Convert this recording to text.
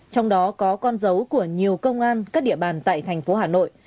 trong đó có con dấu của nhiều công an các địa bàn tại thành phố hà nội